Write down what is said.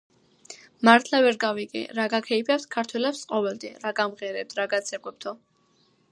მართლა ვერ გავიგე, რა გაქეიფებთ ქართველებს ყოველდღე, რა გამღერებთ, რა გაცეკვებთო.